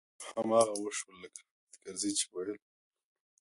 هماغه و شول لکه حامد کرزي چې ويل.